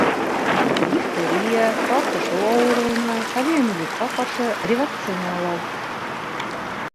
Дифтерия, тартышыу ауырыуына, полиомиелитҡа ҡаршы ревакциналау